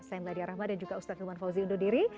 saya meladya rahmat dan juga ustaz hilman fauzi undur diri